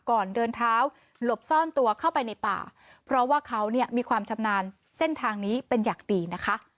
ก่อนเดินเท้าหลบซ่อนตัวเข้าไปในป่าเพราะว่าเขาเนี่ยมีความชำนาญเส้นทางนี้เป็นอย่างดีนะคะ